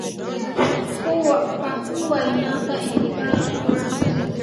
پخو وینا ته اعتبار ورکول کېږي